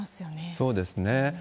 そうですね。